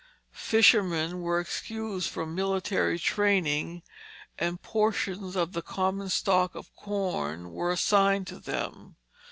Fishermen were excused from military training, and portions of the common stock of corn were assigned to them.